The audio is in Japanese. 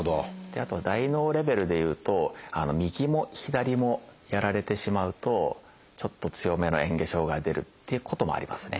あとは大脳レベルでいうと右も左もやられてしまうとちょっと強めのえん下障害が出るっていうこともありますね。